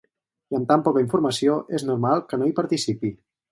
I amb tan poca informació, és normal que no hi participi.